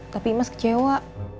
tapi imas kecewa